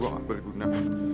gua gak berguna